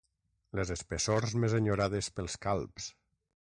Les espessors més enyorades pels calbs.